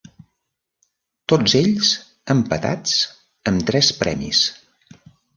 Tots ells empatats amb tres premis.